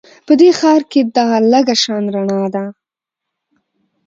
په دې ښار کې دغه لږه شان رڼا ده